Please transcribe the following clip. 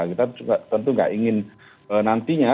kita tentu nggak ingin nantinya